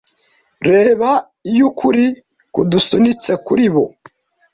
reba iyo ukuri kudusunitse kuribo